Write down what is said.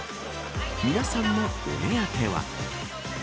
皆さんのお目当ては。